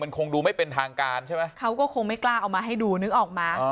คงดูไม่เป็นทางการใช่ไหมเขาก็คงไม่กล้าเอามาให้ดูนึกออกมา